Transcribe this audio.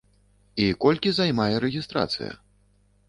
І колькі займае рэгістрацыя?